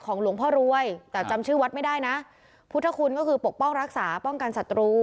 หลวงพ่อรวยแต่จำชื่อวัดไม่ได้นะพุทธคุณก็คือปกป้องรักษาป้องกันศัตรู